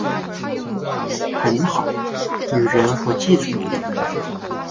很好，女人我记住你了